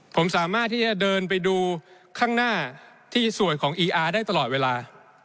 ผมสามารถที่จะเดินไปดูข้างหน้าที่สวยของอีอาร์ได้ตลอดเวลา